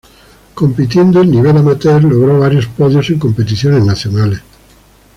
Compitiendo en nivel amateur logró varios podios en competiciones nacionales.